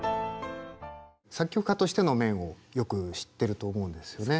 作曲家としての面をよく知ってると思うんですよね。